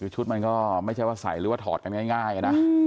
ชุดมันก็ไม่ใช่ว่าใส่หรือว่าถอดกันง่ายนะ